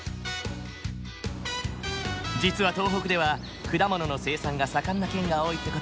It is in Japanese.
実は東北では果物の生産が盛んな県が多いって事